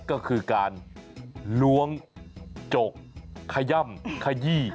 ก็คือการล้วงจกขย่ำขยี้